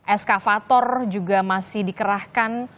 eskavator juga masih dikerahkan